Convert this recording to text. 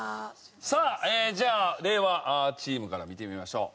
じゃあ令和チームから見てみましょう。